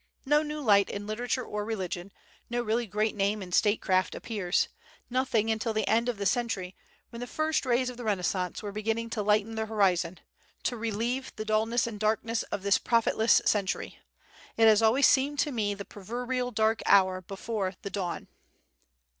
No new light in literature or religion, no really great name in statecraft appears nothing until the end of the century, when the first rays of the renaissance were beginning to lighten the horizon, to relieve the dullness and darkness of this profitless century. It has always seemed to me the proverbial dark hour before the dawn.